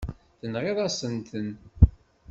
Tenɣiḍ-asen-ten.